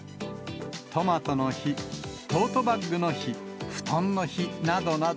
トマトの日、トートバッグの日、ふとんの日などなど。